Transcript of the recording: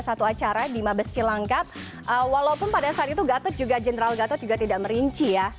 satu acara di mabes cilangkap walaupun pada saat itu gatot juga general gatot juga tidak merinci ya